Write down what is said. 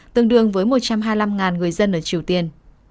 tương đương với một trăm hai mươi năm người dân ở triều tiên